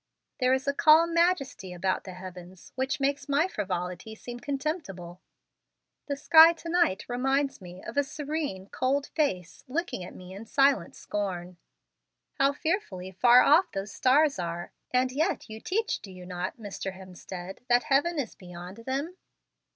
There is a calm majesty about the heavens which makes my frivolity seem contemptible. The sky to night reminds me of a serene, cold face looking at me in silent scorn. How fearfully far off those stars are; and yet you teach, do you not, Mr. Hemstead, that heaven is beyond them?"